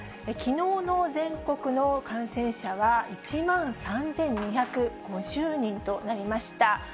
きのうの全国の感染者は１万３２５０人となりました。